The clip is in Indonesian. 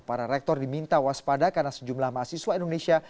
para rektor diminta waspada karena sejumlah mahasiswa indonesia